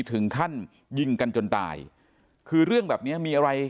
ถึงขั้นยิงกันจนตายคือเรื่องแบบเนี้ยมีอะไร